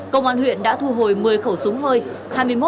công an huyện đã thu hồi một mươi khẩu súng hơi